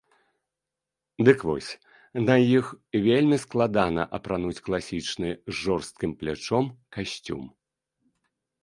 Дык вось, на іх вельмі складана апрануць класічны з жорсткім плячом касцюм.